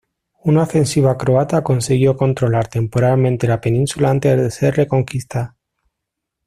Una ofensiva croata consiguió controlar temporalmente la península antes de ser reconquistada.